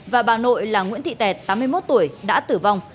và bà nội là nguyễn thị tẹt tám mươi một tuổi đã tử vong